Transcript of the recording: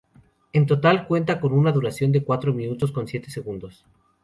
En total, cuenta con una duración de cuatro minutos con siete segundos.